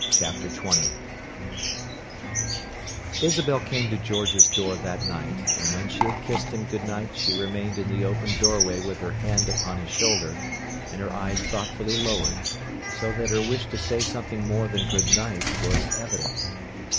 Chapter XX Isabel came to George's door that night, and when she had kissed him good night she remained in the open doorway with her hand upon his shoulder and her eyes thoughtfully lowered, so that her wish to say something more than good night was evident.